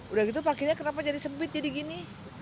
udah gitu parkirnya kenapa jadi sempit jadi gini